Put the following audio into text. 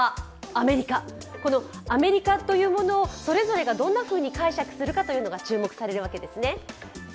アメリカというものを、それぞれがどんなふうに解釈するかが注目されるわけですね。